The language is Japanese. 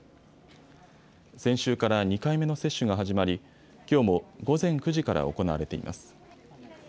先週から２回目の接種が始まりきょうも午前９時から行われています。